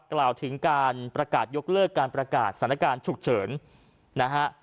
กล่าวถึงการประกาศยกเลิกการประกาศสถานการณ์ฉุกเฉินนะฮะ